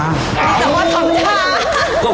ก็คือว่าทำช้า